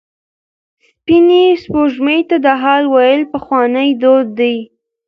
سپینې سپوږمۍ ته د حال ویل پخوانی دود دی.